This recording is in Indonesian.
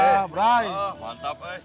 eh mantap eh